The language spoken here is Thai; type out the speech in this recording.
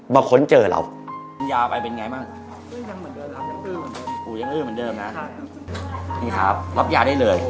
มาค้นเจอเรา